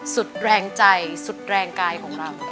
สุดแรงใจสุดแรงกายของเรา